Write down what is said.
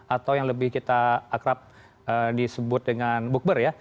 atau yang lebih kita akrab disebut dengan bukber ya